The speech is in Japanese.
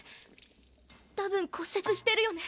多分骨折してるよね？